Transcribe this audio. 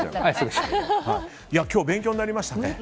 今日勉強になりましたね。